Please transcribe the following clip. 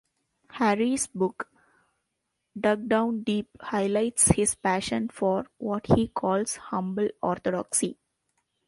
Harris' book, "Dug Down Deep" highlights his passion for what he calls "Humble Orthodoxy.